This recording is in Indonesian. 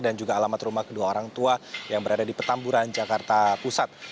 dan juga alamat rumah kedua orang tua yang berada di petamburan jakarta pusat